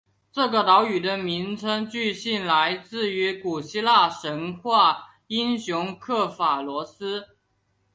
这个岛屿的名称据信来自于古希腊神话英雄刻法罗斯。